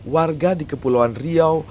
warga di kepulauan riau